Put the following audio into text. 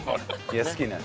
好きなの。